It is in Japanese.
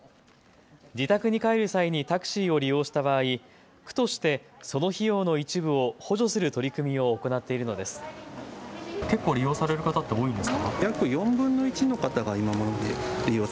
自宅に帰る際にタクシーを利用した場合、区として、その費用の一部を補助する取り組みを行っているのです。